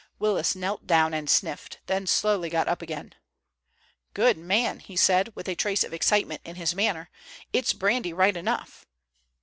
Willis knelt down and sniffed, then slowly got up again. "Good man," he said, with a trace of excitement in his manner. "It's brandy right enough."